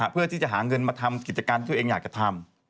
เพื่อที่จะหาเงินมาทำกิจการที่ตัวเองอยากจะทำ